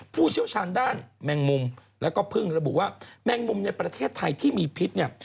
ผู้เชี่ยวชาญด้านแมงมุมแล้วก็พึ่งระบุว่าแมงมุมในประเทศไทยที่มีพิษเนี่ย